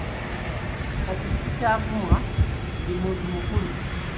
Kati sikyavumwa, ndi muntu mukulu.